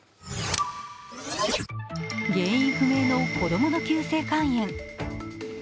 原因不明の子供の急性肝炎。